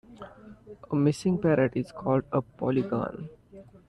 A missing parrot is called a polygon.